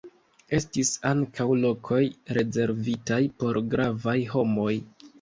Estis ankaŭ lokoj rezervitaj por gravaj homoj.